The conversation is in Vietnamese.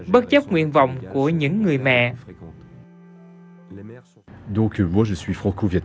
bất chấp nguyện vọng của những người mẹ